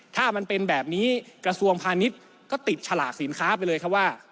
ถ้ามันเป็นแบบนี้กระทรวงพาณิชย์ก็ติดฉลากสินค้าไปเลยครับว่า